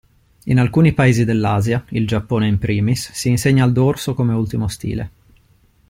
In alcuni Paesi dell'Asia (il Giappone in primis) si insegna il dorso come ultimo stile.